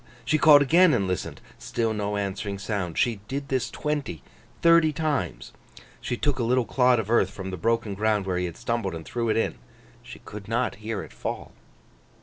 She called again and listened; still no answering sound. She did this, twenty, thirty times. She took a little clod of earth from the broken ground where he had stumbled, and threw it in. She could not hear it fall.